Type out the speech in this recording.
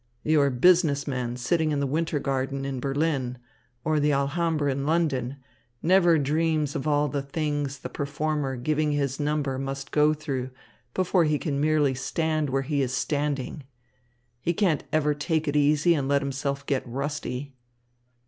Your business man sitting in the Winter Garden in Berlin, or the Alhambra in London, never dreams of all the things the performer giving his number must go through before he can merely stand where he is standing. He can't ever take it easy and let himself get rusty."